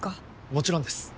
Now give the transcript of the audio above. もちろんです。